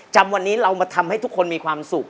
จำวันนี้เรามาทำให้ทุกคนมีความสุข